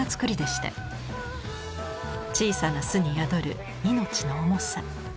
小さな巣に宿る命の重さ。